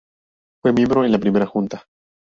Fue miembro en la Primera Junta.